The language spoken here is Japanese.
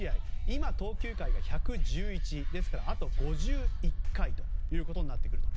今、投球回が１１１ですからあと５１回となってくると。